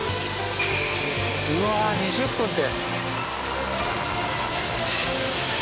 うわあ２０分って！